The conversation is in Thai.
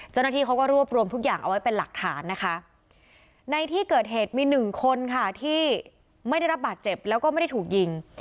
เจ้าหน้าที่เขาก็รวบรวมทุกอย่างเอาไว้เป็นหลักฐานนะคะในที่เกิดเหตุมีหนึ่งคนค่ะที่ไม่ได้รับบาดเจ็บแล้วก็ไม่ได้ถูกยิง